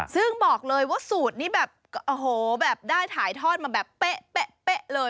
ซึ่งบอกเลยว่าสูตรนี้แบบทายทอดมันแบบเป๊ะเลย